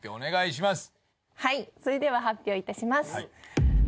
はいそれでは発表いたします。